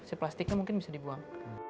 si plastiknya mungkin bisa dibuang